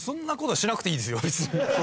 別に。